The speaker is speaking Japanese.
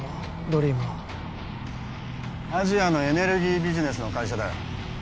ドリームはアジアのエネルギービジネスの会社だよ